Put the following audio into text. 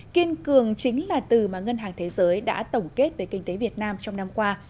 kiên cường chính là từ mà ngân hàng thế giới đã tổng kết về kinh tế việt nam trong năm qua